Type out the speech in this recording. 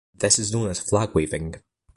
This is known as flagwaving.